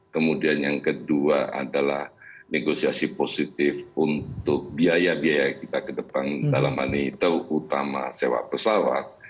kemudian yang kedua adalah negosiasi positif untuk biaya biaya kita ke depan dalam hal ini terutama sewa pesawat